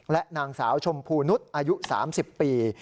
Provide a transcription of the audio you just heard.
และนางสาวชมพูนุษย์อายุ๓๐ปี